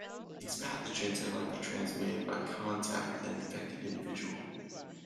These pathogens are likely transmitted by contact with an infected individual.